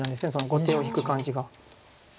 後手を引く感じが。